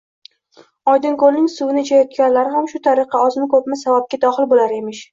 — Oydinkoʼlning suvini ichayotganlar ham shu tariqa ozmi-koʼpmi savobga doxil boʼlar emish.